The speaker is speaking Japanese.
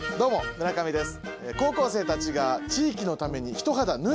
村上です。